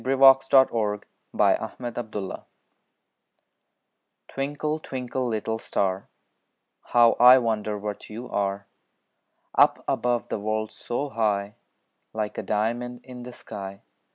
_ Twinkle, Twinkle, Little Star Twinkle, twinkle, little star; How I wonder what you are! Up above the world so high, Like a diamond in the sky.